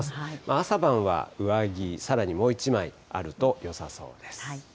朝晩は上着、さらにもう１枚あるとよさそうです。